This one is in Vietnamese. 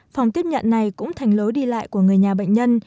phòng tiếp nhận này cũng thành lối đi lại của người nhà bệnh nhân